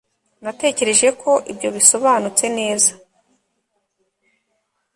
Natekereje ko ibyo bisobanutse neza